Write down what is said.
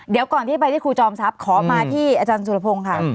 เดี๋ยวก่อนที่ไปที่ครูจอมทรัพย์ขอมาที่อาจารย์สุรพงศ์ค่ะ